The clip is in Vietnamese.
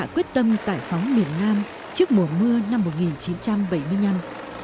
quyết tâm giải phóng miền nam trước mùa mưa năm một nghìn chín trăm bảy mươi năm